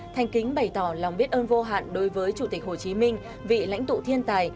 thanh kính bày tỏ lòng biết ơn vô hạn đối với chủ tịch hồ chí minh vị lãnh tụ thiên tài